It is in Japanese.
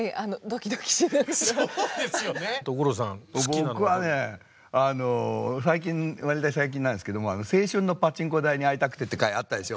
僕はねわりかし最近なんですけども「青春のパチンコ台に会いたくて」って回あったでしょ？